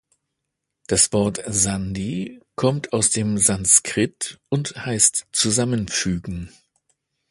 Das Wort "Sandhi" kommt aus dem Sanskrit und heißt ‚zusammenfügen‘.